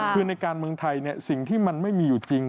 คือในการเมืองไทยสิ่งที่มันไม่มีอยู่จริง